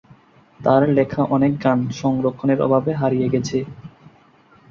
তার লেখা অনেক গান সংরক্ষণের অভাবে হারিয়ে গেছে।